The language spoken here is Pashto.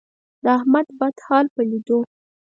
د احمد بد حال په لیدو،